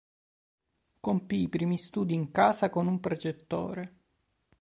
Compì i primi studi in casa con un precettore.